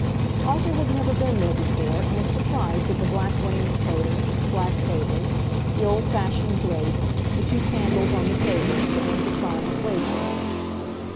Arthur had never been there before and was surprised at the black wainscoting, the black tables, the old fashioned grate, the two candles on the table, and the silent waiter.